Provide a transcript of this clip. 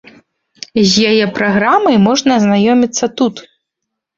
З яе праграмай можна азнаёміцца тут.